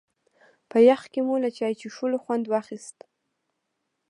په يخ کې مو له چای څښلو خوند واخيست.